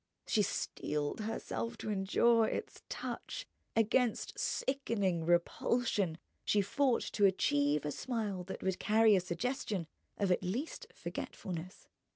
She steeled herself to endure its touch, against sickening repulsion she fought to achieve a smile that would carry a suggestion of at least forgetfulness.